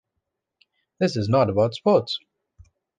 This is not about sports.